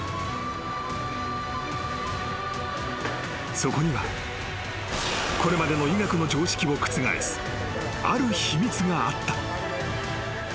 ［そこにはこれまでの医学の常識を覆すある秘密があった］